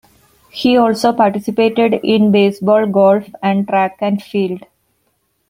He also participated in baseball, golf, and track and field.